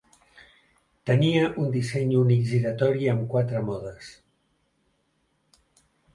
Tenia un disseny únic giratori amb quatre "modes".